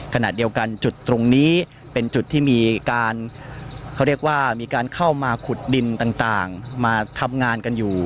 ขณะเดียวกันจุดตรงนี้เป็นจุดที่มีการเขาเรียกว่ามีการเข้ามาขุดดินต่างมาทำงานกันอยู่